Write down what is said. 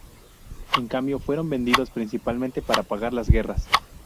En cambio, fueron vendidos, principalmente para pagar las guerras.